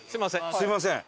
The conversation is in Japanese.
すみません。